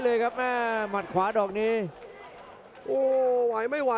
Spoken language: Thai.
โอ้โหโอ้โห